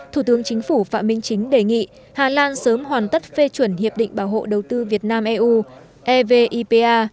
thủ tướng chính phủ phạm minh chính đề nghị hà lan sớm hoàn tất phê chuẩn hiệp định bảo hộ đầu tư việt nam eu evipa